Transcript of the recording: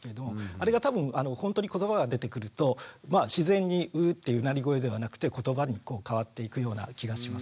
あれが多分ほんとに言葉が出てくると自然に「ヴ」っていううなり声ではなくて言葉に変わっていくような気がします。